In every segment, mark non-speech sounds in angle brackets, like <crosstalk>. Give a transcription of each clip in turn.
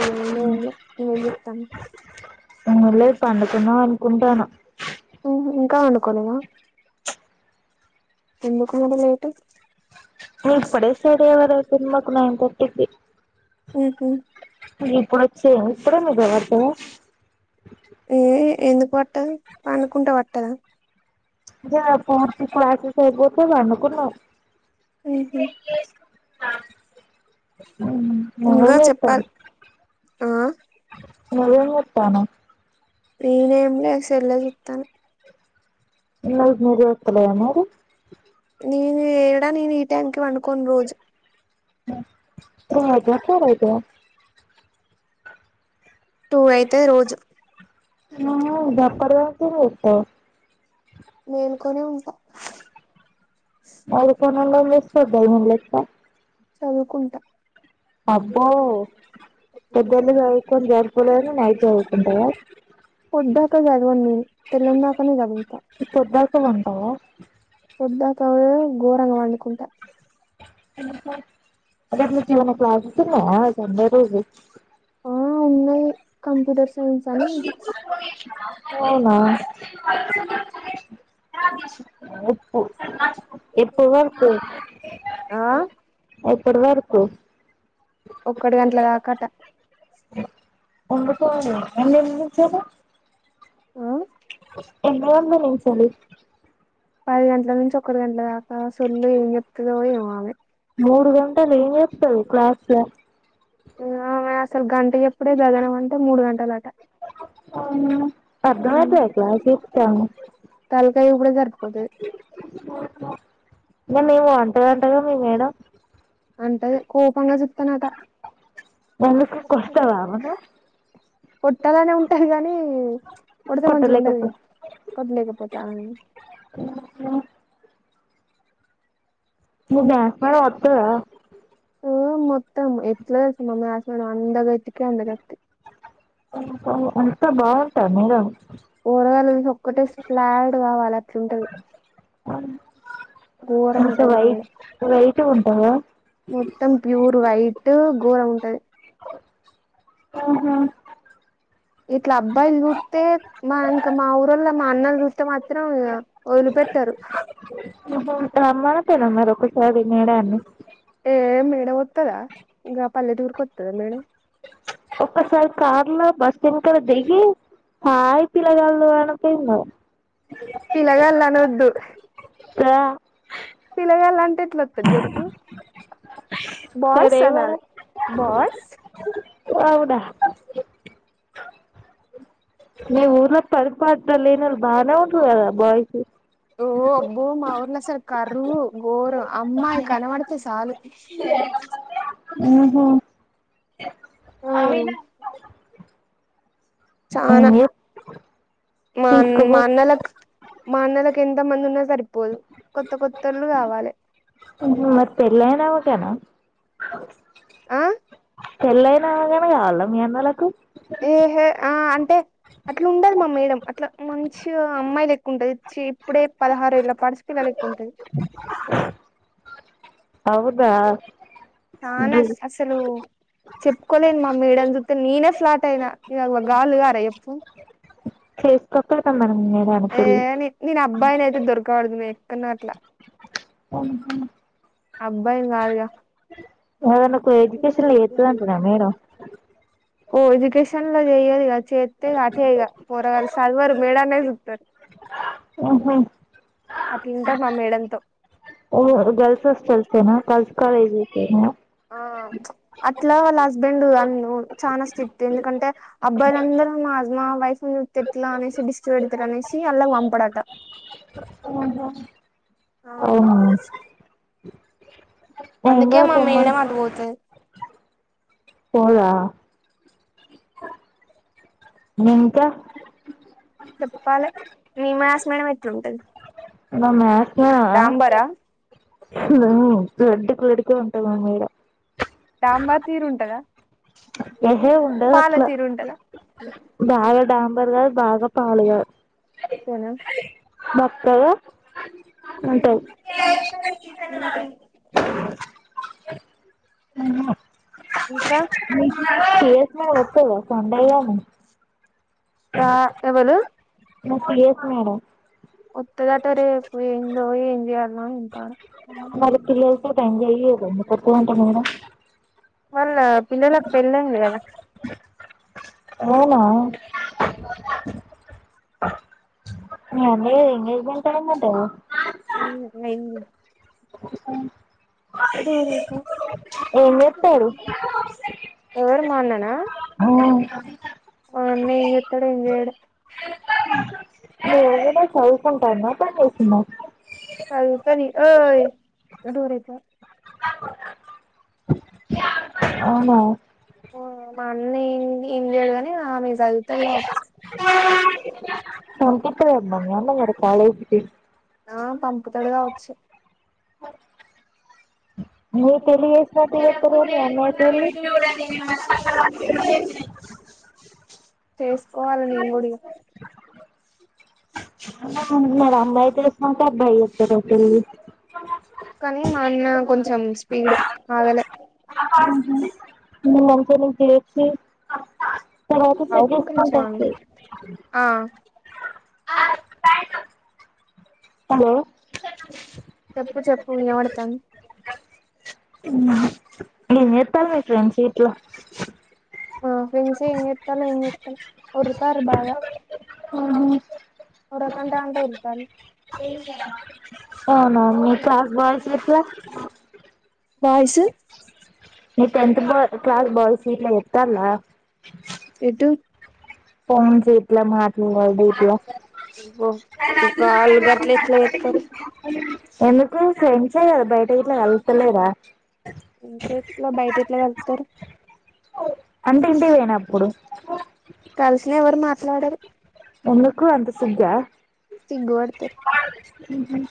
ఏముంది ఏం లే ఏంచెత్తన్నావు. ఏమిలేదు పండుకున్నాం అనుకుంటాన. ఉహు ఇంకా పండుకోలేదా. ఎందుకు అంత లేటు. నువ్వు ఇప్పుడే స్టార్ట్ అయ్యావార సినిమా నైన్ థర్టీకి. ఉహు ఇప్పుడు చ్ ఇప్పుడే నిద్రపడతద. ఏ ఎందుకు పట్టదు పడుకుంటే పట్టద. య ఫోర్త్ ప్లాక్. లేపోతే పండుకున్నవు. ఉహు ఆ మ ఇంగా ఎత చెప్పాలి <unintelligible> ఆ నువ్వేం చేత్తనవ్. ఫ్రీ ఏమ్లే సేల్లె చూతన. నీకు నిదుర అత్త లేదా మరి. నేను ఏడా నేను ఈ టైంకి వండుకోను రోజు. ఆ రాత్రి చదువుతా. టూ అయితది రోజు. నువ్వు గప్పర్రు దాకా ఏం జెత్తవు. మేలుకొనే ఉంటా. మళ్ళీ కొన్ని రోజులు చెత్త కొనలో లేస్తా. చదువుకుంటా. పొద్దుళ్ళు చదువుకొని సరిపోలేదని నైట్ చదువుకుంటావా పొద్దాక జదవ నేను తెలందకనే చదువుత. పొద్దాక పంటావా పొద్దాక కావు ఘోరంగా వండుకుంటా. అంటే జీవనకులాతు రోజు ఆ ఉన్నాయి కంప్యూటర్స్. అవును ఆ ఉప్పు ఎప్పువరకు ఆ ఎప్పటి వరకు ఒక్కటి గంటల దాకాట <unintelligible> ఆ అ ఎగ్జామ్స్ నుంచెలి ఒకటి గంట్ల దాకా సొల్లు ఏం చెప్తదో ఏమో ఆమె మూడు గంటలు ఏం చెస్తడు క్లాస్ లో ఆ అసలు గంట పెళ్లి అప్పుడే గగనం అంటే మూడు గంటలు అట ఉ అర్థమైతదా క్లాస్ చెప్తాను తలకాయ కూడా సరిపోతది నన్ను ఏమో అంటదంట కదా మీ మేడం అంటది కోపంగా చెప్తానట ఎందుకు కొడతదా మను కొట్టాలనే ఉంటది కగానీ కొడితే మంచిగా కొట్టలేకపో ఉండదుగ కొట్టలేకపోతే మీ బ్యాచ్ మేడం వస్తదా ఒ మొత్త ఎట్లా మా మ్యాథ్స్ ఆమె అందగతికే అందగతే అంత బాగుంటద మేడమ్ పోరగాళ్ళు చూసి ఒక్కటే ప్లాట్ కావాలి అట్లుంటది ఘోరం అంత ఉంటది మేడం వైట్ వైట్ గా ఉంటదా మొత్తం ప్యూర్ వైట్ గోరంగా ఉంటది ఆహ ఇట్లా అబ్బాయిలు చూత్తే మా ఇంకా మా ఊరోళ్ళు మా అన్నోళ్ళు చూత్తే మాత్రం ఇగా వదిలిపెట్టారు. <unintelligible> ఒక్కసారి మేడాన్ని గా పల్లెటూరు కి వస్తదా మేడం ఒక్కసారి కార్ లో బస్ ఎనకాల దిగి హాయి పిలగాళ్ళు అనపాయిందో పిల్లగాండ్లు అనవద్దు కదా పిల్లగాల అంటే ఎట్లా వస్తది చెప్పు బాయ్స్ సరేమరా అనాలే బాయ్స్ అవుడా మీ ఊర్లో పని పాట లేనోర్లు బానే ఉన్నరు కదా బాయిస్ ఓ అబ్బో మా ఊర్లా అసలు కరువు గోరం అమ్మాయి కనబడితే సాలు. ఊహ్మ్ చానా మీరు మా అన్ తీసుకోపో మా అన్నలక్ మా అన్నల కెంత మంద్ ఉన్నా సర్ ఊ మరి పెళ్లయిన ఓకేనా? ఆ పెళ్లైనాగ ఇంకా కావాలా మీ అన్నలకు. టే అట్లా ఉండదు మా మేడం అట్లా మంచిగా అమ్మాయి లెక్కుంటది. చీ ఇప్పుడే పదహారేళ్ల పడుచు పిల్ల లెక్క ఉంటది. అవునా? చాన అస్ అసలు చెప్పుకోలేను మా మేడన్నీ చూత్తే నేనే ఫ్లాట్ అయినా. ఇగ గాళ్ళు గారా చెప్పు ఫేస్ ఏ <unintelligible> <unintelligible> నే నేను అబ్బాయినైతే దొరకబడుద్ దేక్తున్న అట్లా. అహా అబ్బాయిని కాదుగా అదనకు ఎడ్యుకేషన్ లో ఎత్తది అంటనా మేడం కో ఎడ్యుకేషన్ లో వెయ్యరు గద్ చెత్తే అటే ఇగా పొరగాళ్ళు సదవరు మేడాన్నే సూత్తరు. అహా అట్లుంటది మా మేడంతో. ఓ గర్ల్స్ హాస్టల్స్ కేనా గర్ల్స్ కాలేజీ కేనా? ఆ అట్లా వాళ్ళ హస్బెండ్ <unintelligible> చానా స్ట్రిక్ట్ ఎందుకంటే అబ్బాయిలందరూ మా హస్ మా వైఫ్ ను చూత్తే ఎట్లా అనేసి దిష్టి పెడతారనేసి ఆళ్లకి పంపడట. ఉహ్మ్ అవునా? నేను అందుకే కూడా మా పొమ్మను మేడం అటు పోతది. పోదా ఇంకా చెప్పాలె మీ మ్యాథ్స్ మేడం ఎట్లుంటది. మా మ్యాథ్స్ మేడమా డాంబరా తను లడ్డుకు లడ్కే ఉంటది మా మేడం డాంబార్ తీర్ ఉంటదా ఏహే ఉండదు పాల అట్లా తీర్ ఉంటద బాగా డాంబర్ కాదు బాగా పాలు కాద్ బక్కగా ఉంటయి అ ఇంకా <unintelligible> రా ఎవలు మా సీఎస్ మేడం. వత్తదట రేప్ ఏందో ఏం చే న్నో ఏం పాడో మరి పిల్లలతోటి ఎంజాయ్ చేయదా ఎందుకు వత్తదంట మేడం వాళ్ళ పిల్లలక్ పెళ్లైంది గదా అవునా నే అదే ఎంగేజ్మెంట్ అయిందట గద మ్ అయింది. <unintelligible> ఏం చేత్తరు ఎవరు మా అన్ననా <unintelligible> మా అన్న ఏం చేత్తడ్ ఏం చేయడ్ మీ వదిన చదువుకుంటాందా బన్ చేసిందా చదు అది ఓయ్ అవునా మా అన్న ఏం ఏం చేయడు గని ఆమె సదుతది కావచ్చు. రేప్ <unintelligible> కాలేజ్కి ఆ పంపుతడు కావ్ చ్చు. నీ పెళ్లి చేసినట్టు చేత్తరు మీ అన్నయ్య పెళ్లి చేసుకోవాలి, నేను కూడా ఇగ. ముందుగల అమ్మాయికి చేసినాక, అబ్బాయి చేస్తారో పెళ్లి. కానీ మా అన్న కొంచెం స్పీడ్, ఆగలే. హ్మ్ హు మీ <unintelligible> ఇప్పుడు చేస్తే. తరువాత సెట్ ఒక్క నిమిషం చేసుకుంటాం ఆగు తీ. ఆ హలో! చెప్పు చెప్పు వినబడతాంది. ఉహ్ ఏం చేస్తాడు మీ ఫ్రెండ్స్ ఇట్ల! ఆ ఫ్రెండ్స్ ఏం చేస్తాను ఏం చేస్తలేర్ ఓర్. తర్ బాగా! హ్మ్! ఉరకకు అంటే ఉరుకుతాంది. అవునునవును, మీ క్లాస్ బాయ్స్ ఎట్లా? వాయిస్. మీ టెన్త్ బా క్లాస్ బాయ్స్ గిట్ల తెతన్ల. ఎటు? ఫోన్స్, ఇట్లా మాట్లాడి. ఇవాళ డ్యూటీ యా? అబ్బో వాళ్ళు గట్ల ఎట్ల చేత్తరు ఎందుకు ఫ్రెండ్స్ అయ్యారు బయట గిట్ట కల్తలేరా? ఇంట్రెస్ట్ లే బయట ఎట్లా కలుత్తారు? అంటే ఇంటికి పోయినప్పుడు. కలిసిన ఎవరూ మాట్ లేదు <unintelligible> ఎందుకు అంత సిగ్గా? సిగ్గుపడతారు. ఊహ్మ్!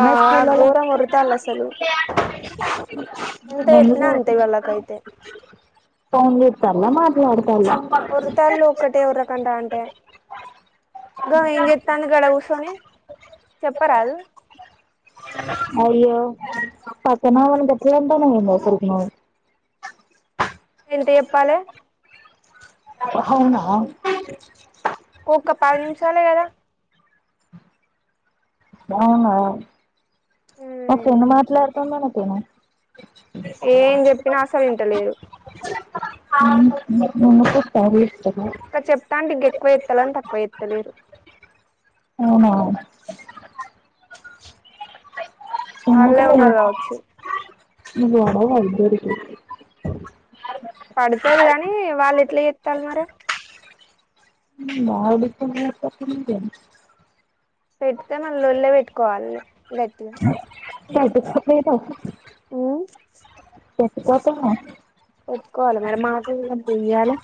బా ఘోరం ఒర్రుతాళ్ళు అసలు ఎంత <unintelligible> చెప్పినా అంతే మందుగొడుతోందా వాళ్ళకైతే ఫోన్ చూస్తుందా మరి? రాడు. ఒర్రుతాళ్ళు <unintelligible> ఒక్కటే ఉర్రకంట అంటే ఇంకా ఏంచెప్తాంది? గడ కూర్చొని చెప్పరాదు? పక్కనోల్లను గట్లంటానవేందే? అసల్కి నువ్. ఎంత చెప్పాలే? హవునా? ఓక పది నిముషాలే కదా! అవును. ఓకే ను మాట్లాడుతందని ఓకే న. ఏం చెప్పినా అసలింటలేదు. ఊమ్ ఉమ్ ఇంగ్ సారి ఆ చెప్తా అంటే ఇంక ఎక్కువ ఎత్తాలని తక్కువ ఎత్తలేరు. అవునవును వాళ్ళే ఎందుకులే ఉన్నారు కావచ్చు నువ్వాడ వాళ్ళ ఇద్దరికి పడుతది గాని వాళ్లు ఎట్లా చేత్తాలు మరి ఉమ్ వాడితోని చెప్పకుంటే ఏమి పెడితే మన లొల్లే పెట్టుకోవాలి గట్టిగా తట్టుకోలేదట ఒప్పుకోవాల మేడం మాట ఈయద్దు ఇయ్యాలే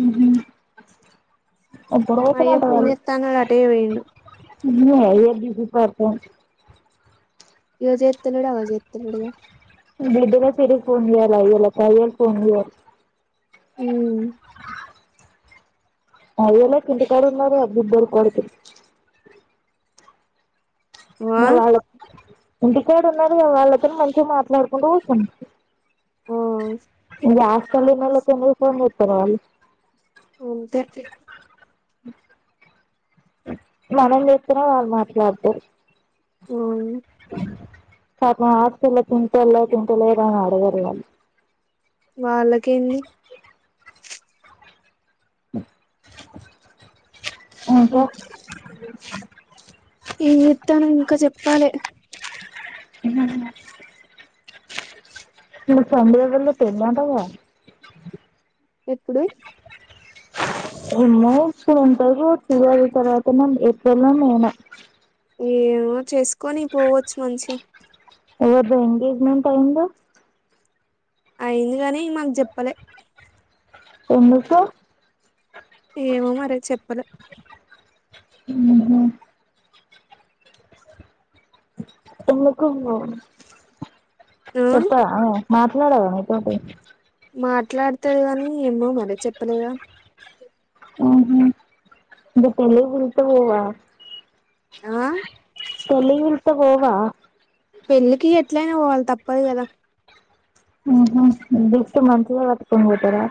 ఊహు మా అయ్య ఫోన్ జేస్తాన్నాడు అటే పోయిండు <inaudible> నువ్వా ఏదిగుపడతవ్ యోజన్ గడ్డిన తిరు పుంజనర్ ల కాయల్ ఫోన్ జేయల్ ఉమ్ <unintelligible> అది ఎలా కింతకాడున్నారో అబ్బిద్దర్ కొడకుల్ ఆ ఇయల ఆళ్ళ ఇంటికాడ ఉన్నారు కద వాళ్ళతో మంచిగా మాట్లాడుకుంటూ కూచం ఓ ఇంగ హాస్టల్లో <unintelligible> సరే ఆను అంతేటి మనం చేస్తేనే వాళ్ళు మాట్లాడతరు ఉన్ని కా ఆట్నా హాస్టల్లో తింటలే తింటలే ఇదనా అడగల్లా వాళ్ళు వాళ్ళకేంది ఇంకా ఏం చేత్తాను ఇంకా చెప్పాలి ఇహ ఇగ సంధ్య అంటే ఎవలో తెలిదంటగా ఎప్పుడు ఎన్నో ఉంటారు చ అది తర్వాత మ ఏప్రిల్ నా మే నా ఏమో చేసుకొని పోవచ్చుగ మంచిగా ఆహా ఎంగేజ్మెంట్ అయ్యిందో అయ్యింది గాని మాకు జెప్పలే ఎందుకు ఏమో మరి చెప్పలే అహ ఎందుకు ఉందో ఆ చెప్పడా మాట్లాడదా నీతోటి మాట్లాడతాది గాని ఏమో మరి చెప్పలేదా <inaudible> ఆ త వేవా పెళ్ళికి ఎట్లయినా పోవాలి తప్పదు కదా <inaudible> పట్టుకొని పోతారా